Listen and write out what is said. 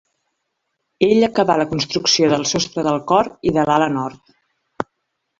Ell acabà la construcció del sostre del cor i de l'ala nord.